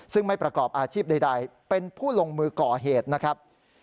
ซึ่งไม่ประกอบอาชีพใดเป็นผู้ลงมือก่อเหตุนะครับ